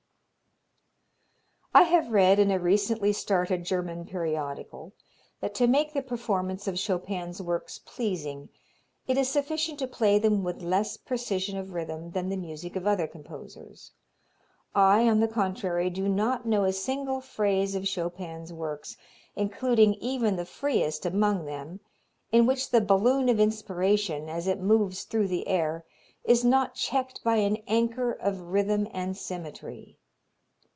I have read in a recently started German periodical that to make the performance of Chopin's works pleasing it is sufficient to play them with less precision of rhythm than the music of other composers. I, on the contrary, do not know a single phrase of Chopin's works including even the freest among them in which the balloon of inspiration, as it moves through the air, is not checked by an anchor of rhythm and symmetry.